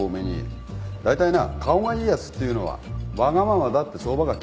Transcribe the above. だいたいな顔がいいやつっていうのはわがままだって相場が決まってる。